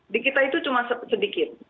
di kita itu cuma sedikit